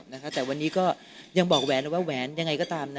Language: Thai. แต่วันนี้ก็ยังบอกแหวนว่าแหวนยังไงก็ตามนะ